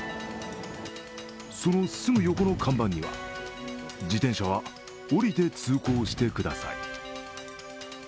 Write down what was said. そのすぐ横の看板には自転車は降りて通行してください。